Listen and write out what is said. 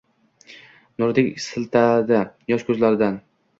Nurdek sitiladi yosh koʻzlaridan.